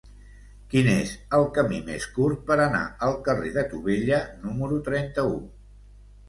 Quin és el camí més curt per anar al carrer de Tubella número trenta-u?